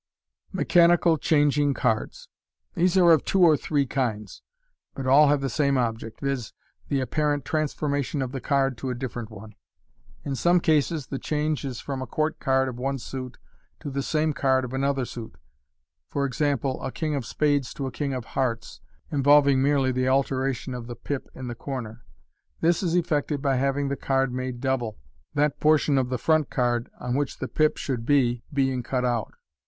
Mechanical Changing Cards. — These are of two or three kinds, but all have the same object — viz., the apparent transformation of the card to a different one. In some cases the change is from a court card of one suit to the same card of another suit — e.g., a king of spades to a king of hearts, involving merely the alteration of the pip in the corner. This is effected by having the card made double, that portion of the front card on which the pip should be being cut out.